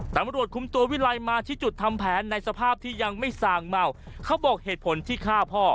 ตำรวจคุมตัววิลัยมาที่จุดทำแผนในสภาพที่ยังไม่สางเมาเขาบอกเหตุผลที่ฆ่าพ่อ